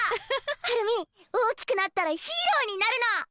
ハルミ大きくなったらヒーローになるの！